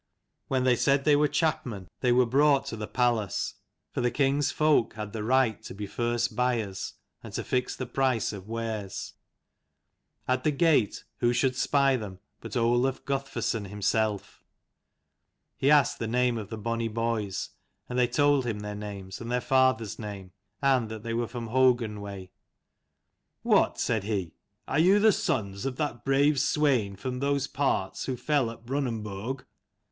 When they said they were chapmen, they were brought to 180 the palace ; for the king's folk had the right to be first buyers, and to fix the price of wares. At the gate who should spy them but Olaf Guthferthson himself. He asked the name of the bonny boys, and they told him their names and their father's name, and that they were from Hougun way. " What," said he, " are you the sons of that brave Swein from those parts who fell at Brunanburg